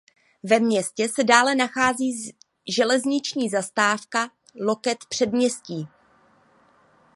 Ve městě se dále nachází železniční zastávka "Loket předměstí".